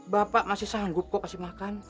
bapak masih sanggup kok kasih makan